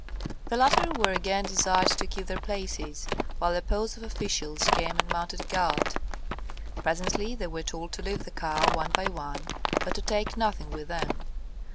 The latter were again desired to keep their places, while a posse of officials came and mounted guard. Presently they were told to leave the car one by one, but to take nothing with them.